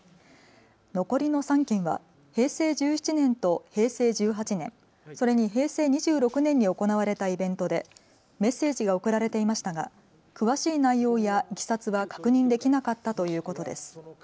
残りの３件は平成１７年と平成１８年、それに平成２６年に行われたイベントでメッセージが送られていましたが詳しい内容やいきさつは確認できなかったということです。